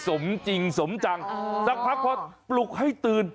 สมจริงสมจังสักพักพอปลุกให้ตื่น